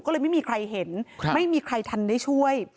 ก็เลยไม่มีใครเห็นไม่มีใครทันได้ช่วย